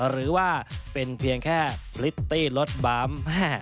หรือว่าเป็นเพียงแค่พริตตี้รถบัม